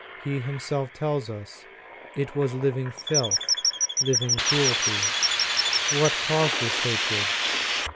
He himself tells us: It was living filth, living cruelty. What caused its hatred?